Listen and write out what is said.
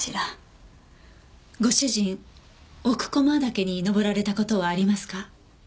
ご主人奥駒岳に登られた事はありますか？